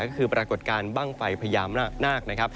ก็คือปรากฏการณ์บ้างไฟพยามนาค